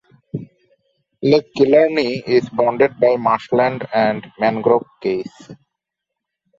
Lake Killarney is bounded by marshland and mangrove cays.